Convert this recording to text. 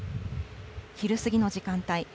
昼過ぎの時間帯